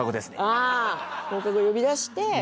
放課後呼び出して。